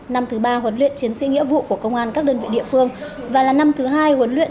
năm thứ ba huấn luyện chiến sĩ nghĩa vụ của công an các đơn vị địa phương và là năm thứ hai huấn luyện